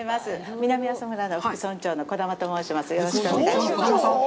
南阿蘇村の副村長の児玉と申します。